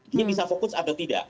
dia bisa fokus atau tidak